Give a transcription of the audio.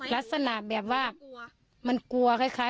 ลักษณะแบบว่ามันกลัวคล้าย